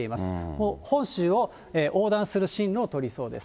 もう本州を横断する進路を取りそうです。